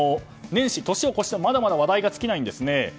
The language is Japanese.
年始、年を越してもまだまだ話題が尽きないんですね。